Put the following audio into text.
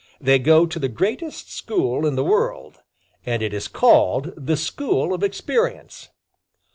They go to the greatest school in the world, and it is called the School of Experience.